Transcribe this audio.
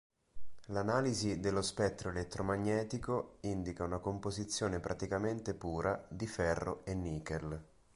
L'analisi dello spettro elettromagnetico indica una composizione praticamente pura di ferro e nichel.